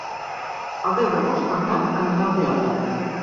El deu d'agost en Dan anirà al teatre.